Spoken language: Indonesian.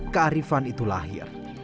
kearifan itu lahir